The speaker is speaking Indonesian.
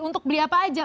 untuk beli apa aja